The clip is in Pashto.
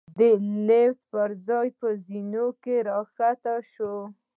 د لېفټ پر ځای په زېنو کې را کښته شوو.